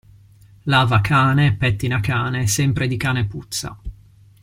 Lava cane, pettina cane, sempre di cane puzza.